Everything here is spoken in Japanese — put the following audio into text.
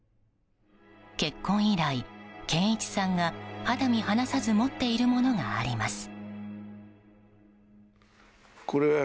結婚以来、健一さんが肌身離さず持っているものがあります。